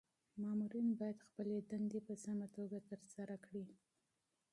مامورین باید خپلي دندي په سمه توګه ترسره کړي.